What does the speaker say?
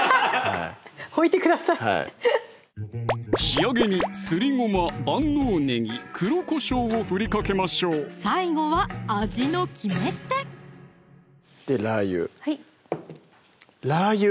置いてください仕上げにすりごま・万能ねぎ・黒こしょうを振りかけましょう最後は味の決め手でラー油はいラー油？